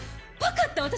分かった！